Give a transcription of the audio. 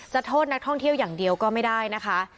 โทษนักท่องเที่ยวอย่างเดียวก็ไม่ได้นะคะ